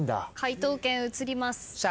解答権移ります。